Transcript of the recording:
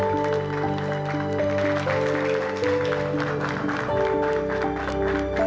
saya permisi ya